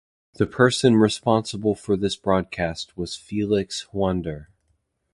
The person responsible for this broadcast was Felix Huonder.